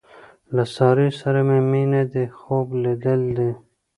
له سارې سره مې مینه دې خوب لیدل دي.